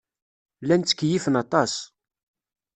Llan ttkeyyifen aṭas.